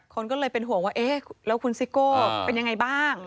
คนก็เลยเป็นห่วงว่าเอ๊ะแล้วคุณซิโก้เป็นยังไงบ้าง